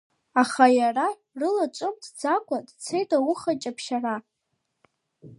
Аха иара рылаҿымҭӡакәа дцеит ауха ҷаԥшьара.